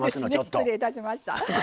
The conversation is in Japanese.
失礼いたしました。